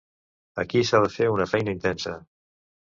Aquí s’ha de fer una feina intensa.